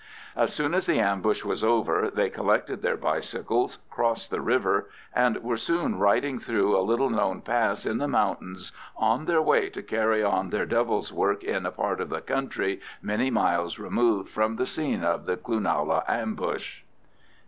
As soon as the ambush was over they collected their bicycles, crossed the river, and were soon riding through a little known pass in the mountains on their way to carry on their devil's work in a part of the country many miles removed from the scene of the Cloonalla ambush.